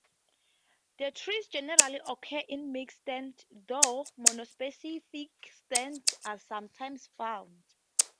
The trees generally occur in mixed stands, though monospecific stands are sometimes found.